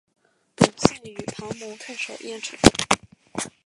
董宪与庞萌退守郯城。